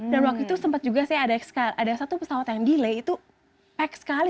dan waktu itu sempat juga saya ada satu pesawat yang delay itu pek sekali